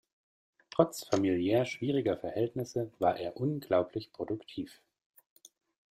Trotz familiär schwieriger Verhältnisse war er unglaublich produktiv.